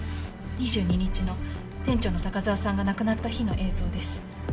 ２２日の店長の高沢さんが亡くなった日の映像です。